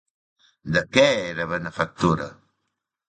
De què era benefactora?